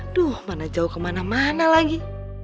duh mana jauh kemana mana lagi